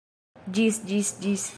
Ĝis... ĝis... ĝis...